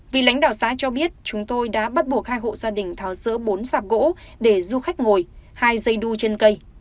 vì lãnh đạo xã cho biết chúng tôi đã bắt buộc hai hộ gia đình tháo rỡ bốn sạp gỗ để du khách ngồi hai dây đu trên cây